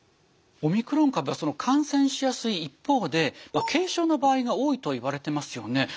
オミクロン株は感染しやすい一方で軽症の場合が多いといわれてますよね。